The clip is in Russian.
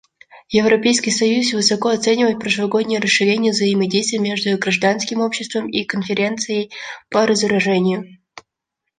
Европейский союз высоко оценивает прошлогоднее расширение взаимодействия между гражданским обществом и Конференцией по разоружению.